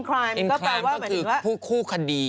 พาร์ทเนอร์อินคลายม์ก็คือคู่คดี